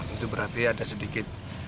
itu berarti ada sedikit